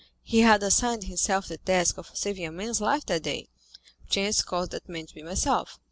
He had assigned himself the task of saving a man's life that day; chance caused that man to be myself.